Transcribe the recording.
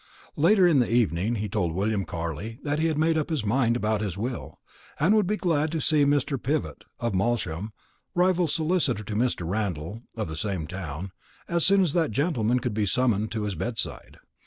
Later in the evening he told William Carley that he had made up his mind about his will, and would be glad to see Mr. Pivott, of Malsham, rival solicitor to Mr. Randall, of the same town, as soon as that gentleman could be summoned to his bedside.